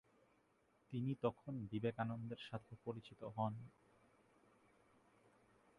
তিনি তখন বিবেকানন্দের সাথে পরিচিত হন।